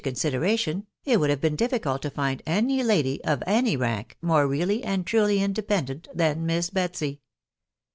consideration, it would have been difficult to find any lady, of any rank, more really and truly independent than Miss Betsy.